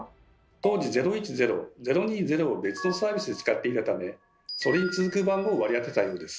当時「０１０」「０２０」を別のサービスで使っていたためそれに続く番号を割り当てたようです。